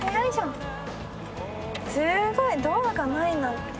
すごい！ドアがないなんて。